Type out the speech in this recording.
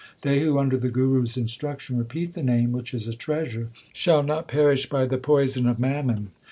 They who under the Guru s instruction repeat the Name, which is a treasure, Shall not perish by the poison of mammon.